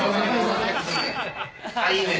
あっいいね。